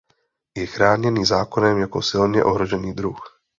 Je chráněný zákonem jako silně ohrožený druh.